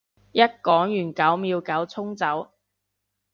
一講完九秒九衝走